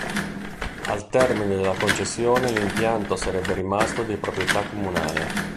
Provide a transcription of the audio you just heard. Al termine della concessione l'impianto sarebbe rimasto di proprietà comunale.